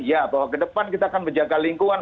ya bahwa ke depan kita akan menjaga lingkungan